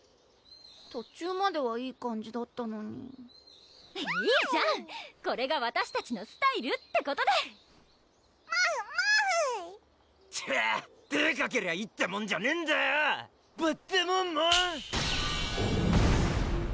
途中まではいい感じだったのにいいじゃんこれがわたしたちのスタイルってことでもふもふチッでかけりゃいいってもんじゃねぇんだよバッタンモンモン！